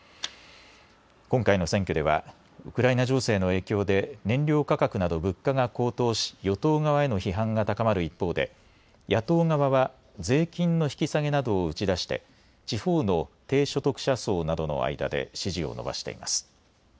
今回の選挙ではウクライナ情勢の影響で燃料価格など物価が高騰し与党側への批判が高まる一方で野党側は税金の引き下げなどを打ち出して地方の低所得者層などの間で支持を伸ばしています。